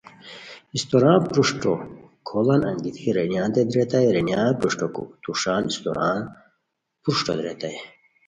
استوران پروشٹو کوڑان انگیتی رینیانتے دریتائے، رینیان پروشٹو توݰان استوران پروشٹو دریتائے